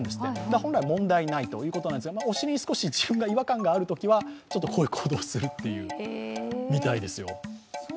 本来は問題ないということなんですが、お尻に少し違和感があるときはこういう行動をするみたいですよ。